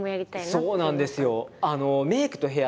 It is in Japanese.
そうなんですよ。